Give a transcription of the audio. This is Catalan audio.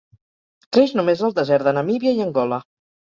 Creix només al desert de Namíbia i Angola.